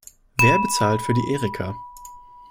Wer bezahlt für die Erika?